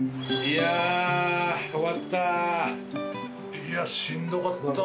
いやあしんどかった。